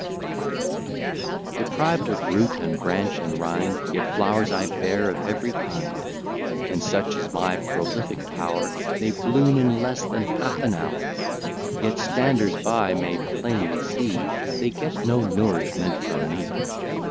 1725 Deprived of root, and branch and rind, Yet flowers I bear of every kind: And such is my prolific power, They bloom in less than half an hour; Yet standers by may plainly see They get no nourishment from me.